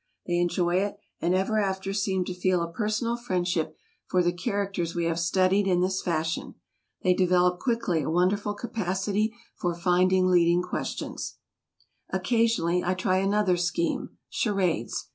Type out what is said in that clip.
They enjoy it, and ever after seem to feel a personal friendship for the characters we have studied in this fashion. They develop quickly a wonderful capacity for finding leading questions. Occasionally I try another scheme, charades.